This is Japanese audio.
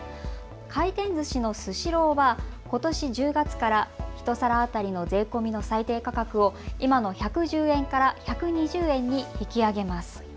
回転ずしのスシローはことし１０月から１皿当たりの税込みの最低価格を今の１１０円から１２０円に引き上げます。